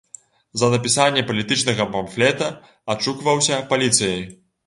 За напісанне палітычнага памфлета адшукваўся паліцыяй.